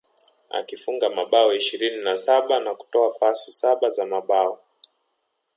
Akifunga mabao ishirini na saba na kutoa pasi saba za mabao